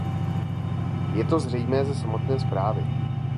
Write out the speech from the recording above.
Je to zřejmé ze samotné zprávy.